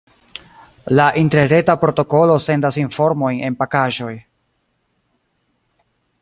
La interreta protokolo sendas informojn en pakaĵoj.